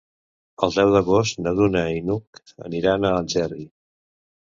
El deu d'agost na Duna i n'Hug aniran a Algerri.